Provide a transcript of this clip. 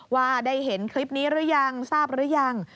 ว่าได้เห็นคลิปนี้หรือยังทราบหรือยัง